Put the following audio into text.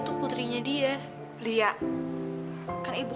dengerin omongan ibu